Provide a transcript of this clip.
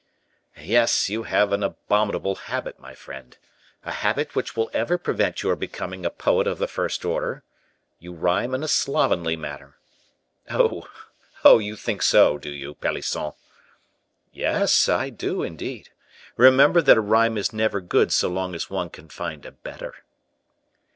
"Yes; you have an abominable habit, my friend, a habit which will ever prevent your becoming a poet of the first order. You rhyme in a slovenly manner." "Oh, oh, you think so, do you, Pelisson?" "Yes, I do, indeed. Remember that a rhyme is never good so long as one can find a better."